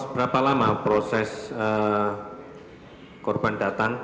berapa lama proses korban datang